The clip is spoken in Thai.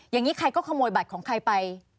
อย่างนี้ใครก็ขโมยบัตรของใครไป